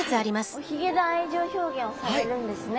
おひげで愛情表現をされるんですね